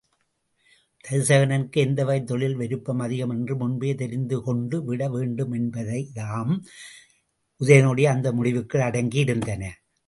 தருசகனுக்கு எந்தவகைத் தொழிலில் விருப்பம் அதிகம் என்று முன்பே தெரிந்துகொண்டுவிட வேண்டும் என்பவைதாம் உதயணனுடைய அந்த முடிவுக்குள் அடங்கியிருந்தன.